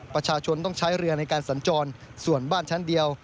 ประชาชนต้องใช้เรือในการสัญจรส่วนบ้านชั้นเดียว